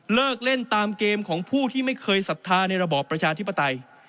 เล่นตามเกมของผู้ที่ไม่เคยศรัทธาในระบอบประชาธิปไตย